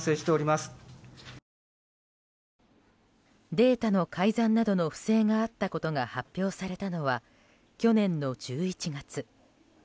データの改ざんなどの不正があったことが発表されたのは去年の１１月。